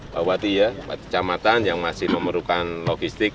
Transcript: bawati ya empat kecamatan yang masih memerlukan logistik